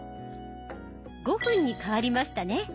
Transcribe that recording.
５分に変わりましたね。